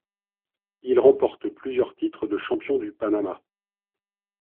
Il remporte plusieurs titres de champion du Panama.